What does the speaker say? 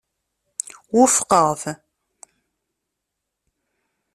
Wufqeɣ-t.